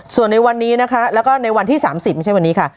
ส่วนในวันนี้นะคะแล้วก็ในวันที่๓๐ไม่ใช่วันนี้ค่ะ